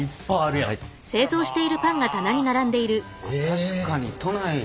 確かに都内では。